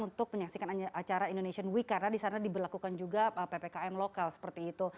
untuk menyaksikan acara indonesian week karena di sana diberlakukan juga ppkm lokal seperti itu